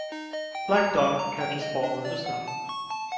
Black dog catches ball in the snow.